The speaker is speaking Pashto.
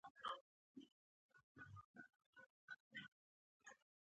احمد ګرم دی؛ هسې د وچې ځمکې اوبازي کوي.